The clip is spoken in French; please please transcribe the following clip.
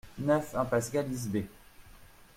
neuf impasse Gallice Bey